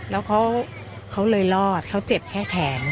แล้วเขาเลยรอดเขาเจ็บแค่แขน